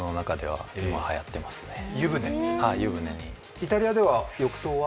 イタリアでは浴槽は？